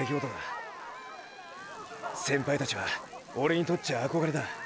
先輩たちはオレにとっちゃ憧れだ。